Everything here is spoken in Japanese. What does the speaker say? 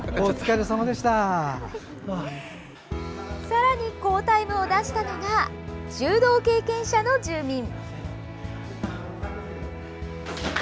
さらに好タイムを出したのが柔道経験者の住民。